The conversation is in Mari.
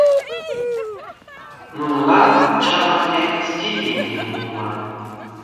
Нунылан, чаманыде, стипендийым пуыман.